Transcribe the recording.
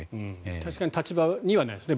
確かに立場にはないですよね。